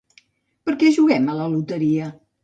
Per què juguem a la loteria?